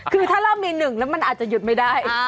คือถ้าเรามีหนึ่งแล้วมันอาจจะหยุดไม่ได้